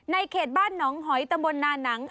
เขตบ้านหนองหอยตำบลนานัง